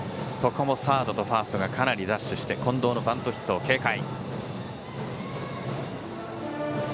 ここはサードとファーストがかなりダッシュして近藤のバントヒットを警戒。